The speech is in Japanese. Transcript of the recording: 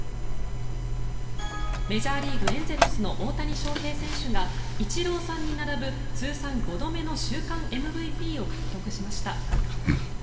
メジャーリーグ、エンゼルスの大谷翔平選手がイチローさんに並ぶ通算５度目の週間ＭＶＰを獲得しました。